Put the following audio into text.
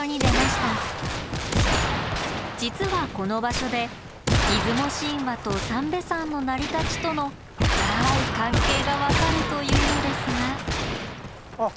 実はこの場所で出雲神話と三瓶山の成り立ちとの深い関係が分かるというのですがあっ！